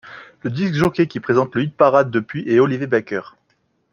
Le disc-jockey qui présente le hit-parade depuis est Olivier Bakker.